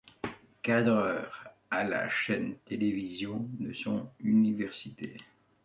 Cadreur à la chaîne télévision de son université.